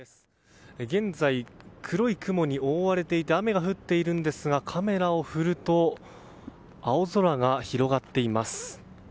現在、黒い雲に覆われていて雨が降っているんですがカメラを振ると青空が広がっています。